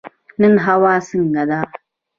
نن هوا څنګه ده؟